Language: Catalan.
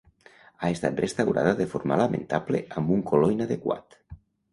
Ha estat restaurada de forma lamentable amb un color inadequat.